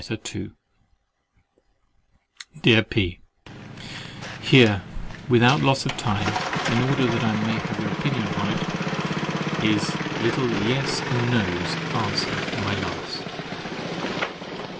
LETTER II Dear P——, Here, without loss of time, in order that I may have your opinion upon it, is little Yes and No's answer to my last.